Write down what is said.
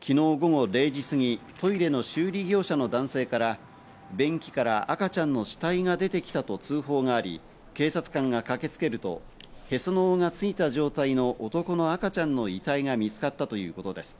昨日午後０時すぎ、トイレの修理業者の男性から、便器から赤ちゃんの死体が出てきたと通報があり、警察官が駆けつけると、へその緒がついた状態の男の赤ちゃんの遺体が見つかったということです。